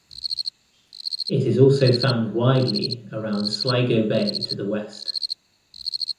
It is also found widely around Sligo Bay to the west.